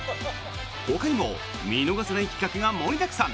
ほかにも見逃せない企画が盛りだくさん！